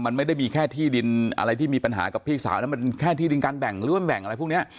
มันไม่ได้มีแค่ที่ดินอะไรที่มีปัญหากับพี่สาวแล้วมันแค่ที่ดินการแบ่งหรือว่าแบ่งอะไรพวกนี้